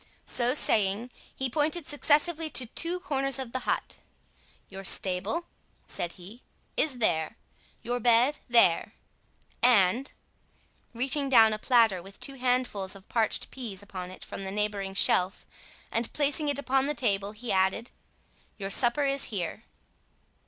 So saying, he pointed successively to two corners of the hut. "Your stable," said he, "is there—your bed there; and," reaching down a platter with two handfuls of parched pease upon it from the neighbouring shelf, and placing it upon the table, he added, "your supper is here."